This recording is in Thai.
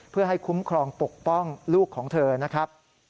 เพื่อให้คุ้มครองปกป้องลูกของเธอนะครับ